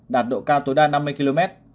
đạt độ cao tối đa năm mươi km